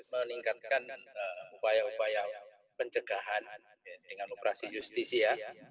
meningkatkan upaya upaya pencegahan dengan operasi justisia